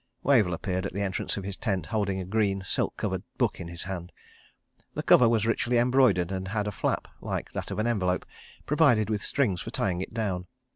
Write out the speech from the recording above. Wavell appeared at the entrance to his tent, holding a green, silk covered book in his hand. The cover was richly embroidered and had a flap, like that of an envelope, provided with strings for tying it down.